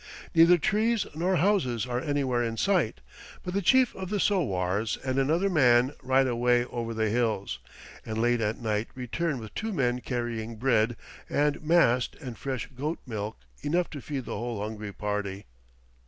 Neither trees nor houses are anywhere in sight; but the chief of the sowars and another man ride away over the hills, and late at night return with two men carrying bread and mast and fresh goat milk enough to feed the whole hungry party.